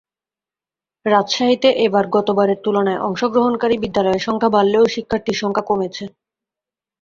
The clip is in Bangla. রাজশাহীতে এবার গতবারের তুলনায় অংশগ্রহণকারী বিদ্যালয়ের সংখ্যা বাড়লেও শিক্ষার্থীর সংখ্যা কমেছে।